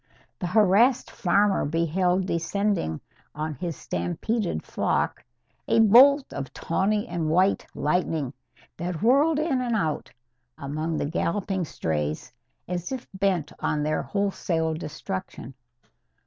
The harassed farmer beheld descending on his stampeded flock a bolt of tawny and white lightning that whirled in and out among the galloping strays as if bent on their wholesale destruction.